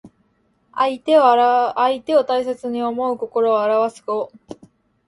相手を大切に思う心をあらわす語。